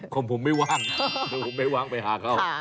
ก็ผมไปวางไปหาเขา